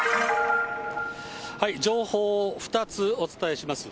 情報、２つお伝えします。